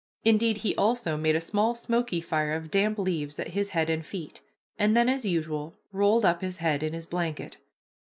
Indeed, he also made a small smoky fire of damp leaves at his head and feet, and then as usual rolled up his head in his blanket.